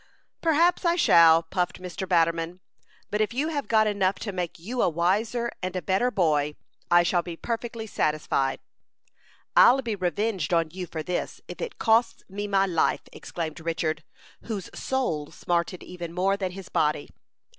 "Perhaps I shall," puffed Mr. Batterman; "but if you have got enough to make you a wiser and a better boy, I shall be perfectly satisfied." "I'll be revenged on you for this, if it costs me my life," exclaimed Richard, whose soul smarted even more than his body.